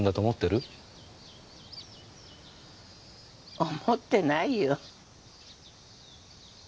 思ってないよ。